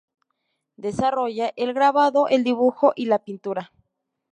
Desarrolla el grabado, el dibujo y la pintura.